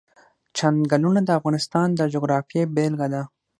چنګلونه د افغانستان د جغرافیې بېلګه ده.